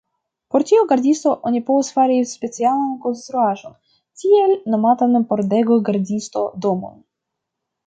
Por tiu gardisto oni povas fari specialan konstruaĵon, tiel nomatan pordego-gardisto-domon.